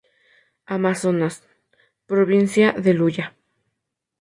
Amazonas: Provincia de Luya.